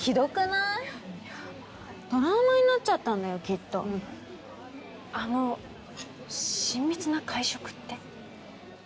トラウマになっちゃったんだよきっとあの親密な会食って？